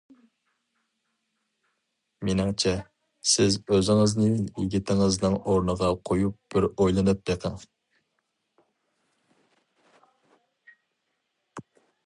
مېنىڭچە، سىز ئۆزىڭىزنى يىگىتىڭىزنىڭ ئورنىغا قويۇپ بىر ئويلىنىپ بېقىڭ.